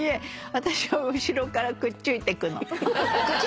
私は後ろからくっちゅいてくの。